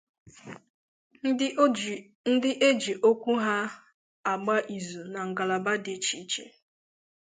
ndị e ji okwu ha agba ìzù na ngalaba dị iche iche